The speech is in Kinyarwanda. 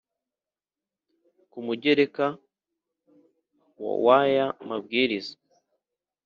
Ku mugereka wa w aya mabwiriza